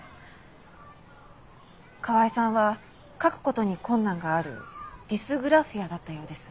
川井さんは書く事に困難があるディスグラフィアだったようです。